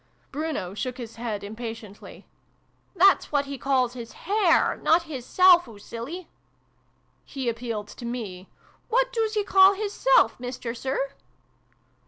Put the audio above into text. Bruno shook his head impatiently. " That's what he calls his hair, not his self, oo silly !" He appealed to me. " What doos he call his self, Mister Sir